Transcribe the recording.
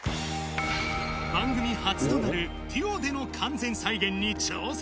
番組初となるデュオでの完全再現に挑戦。